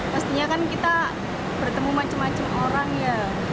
pastinya kan kita bertemu macam macam orang ya